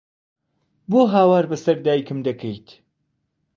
بۆ هاوار بەسەر دایکم دەکەیت؟!